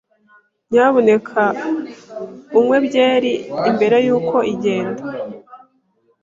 Nyamuneka unywe byeri mbere yuko igenda.